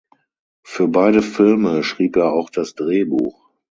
Für beide Filme schrieb er auch das Drehbuch.